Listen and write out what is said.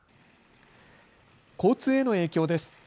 交通への影響です。